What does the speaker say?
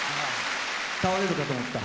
倒れるかと思った。